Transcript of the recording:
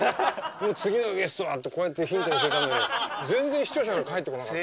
「次のゲストは」ってこうやってヒントにしてたのに全然視聴者から返ってこなかった。